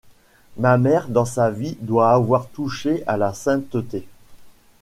Ma mère dans sa vie doit avoir touché à la sainteté.